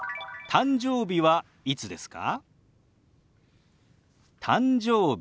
「誕生日はいつですか？」。